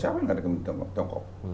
siapa yang nggak ada kepentingan tiongkok